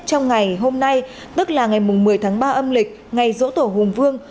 trong ngày hôm nay tức là ngày một mươi tháng ba âm lịch ngày dỗ tổ hùng vương